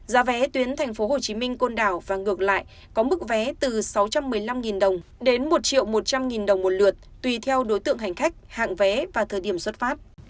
giá vé tuyến tp hcm côn đảo và ngược lại có mức vé từ sáu trăm một mươi năm đồng đến một một trăm linh đồng một lượt tùy theo đối tượng hành khách hạng vé và thời điểm xuất phát